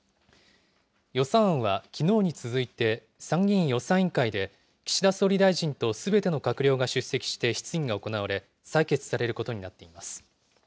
予算案はきのうに続いて、参議院予算委員会で岸田総理大臣とすべての閣僚が出席して質疑が行われ、採決されることになっています。